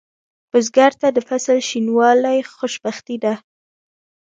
بزګر ته د فصل شینوالی خوشبختي ده